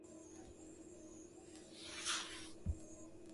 Zawadi ya mzee imeletwa jana.